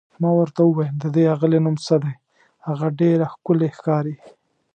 ما ورته وویل: د دې اغلې نوم څه دی، هغه ډېره ښکلې ښکاري؟